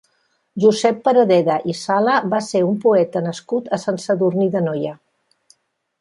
Josep Paradeda i Sala va ser un poeta nascut a Sant Sadurní d'Anoia.